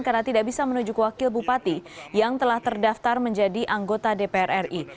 karena tidak bisa menuju ke wakil bupati yang telah terdaftar menjadi anggota dpr ri